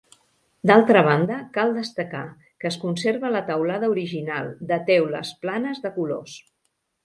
D'altra banda, cal destacar que es conserva la teulada original, de teules planes de colors.